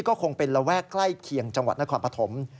ก็คงเป็นระแวกใกล้เคียงจังหวัดนครปฐม